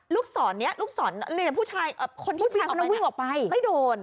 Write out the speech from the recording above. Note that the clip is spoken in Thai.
ลูกศรนี้ลูกศรหรือผู้ชายคนที่วิ่งออกไปไม่โดน